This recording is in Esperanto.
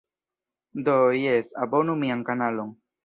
Do, jes, abonu mian kanalon.